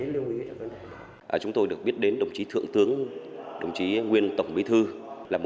là một người đồng chí đồng chí đại sĩ đạo mê